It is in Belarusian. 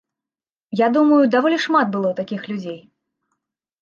Я думаю, даволі шмат было такіх людзей.